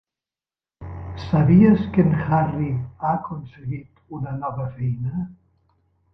Sabies que en Harry ha aconseguit una nova feina?